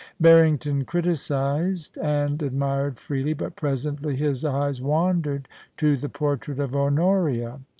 * Barrington criticised and admired freely, but presently his eyes wandered to the portrait of Honoria.